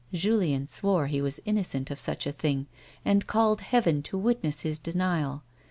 Julien swore he was innocent of such a thing, and called Heaven to witness his denial.